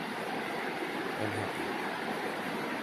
i'm happy